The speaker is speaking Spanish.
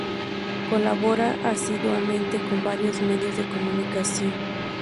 Colabora asiduamente con varios medios de comunicación.